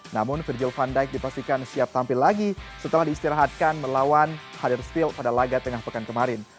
namun virgil van dijk dipastikan siap tampil lagi setelah diistirahatkan melawan hadir steel pada laga tengah pekan kemarin